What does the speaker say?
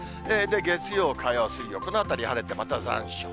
月曜、火曜、水曜、このあたり晴れてまた残暑。